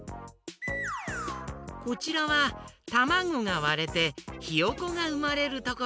こちらはたまごがわれてひよこがうまれるところ。